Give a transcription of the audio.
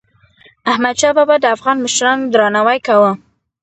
احمدشاه بابا د افغان مشرانو درناوی کاوه.